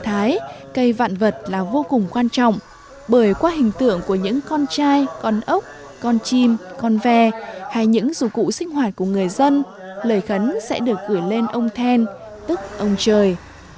cây vạn vật là vô cùng quan trọng bởi qua hình tượng của những con trai con ốc con chim con ve hay những dụng cụ sinh hoạt của người dân lời khấn sẽ được gửi lên ông then tức ông trời